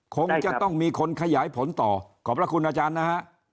คงจะต้องมีคนขยายผลต่อขอบพระคุณอาจารย์นะฮะ